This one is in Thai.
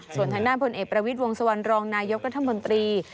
ส่วนทางด้านพลเอกประวิทย์วงสุวรรณรองนายกรัฐมนตรี